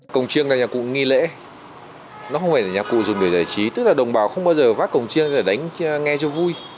cổng trương là nhà cụ nghi lễ nó không phải là nhà cụ dùng để giải trí tức là đồng bào không bao giờ vác cổng chiêng để đánh nghe cho vui